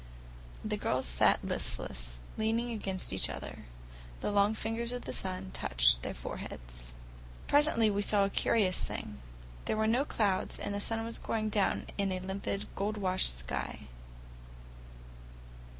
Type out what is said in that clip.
The girls sat listless, leaning against each other. The long fingers of the sun touched their foreheads. Presently we saw a curious thing: There were no clouds, the sun was going down in a limpid, gold washed sky.